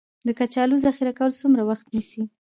د کچالو ذخیره کول څومره وخت نیسي؟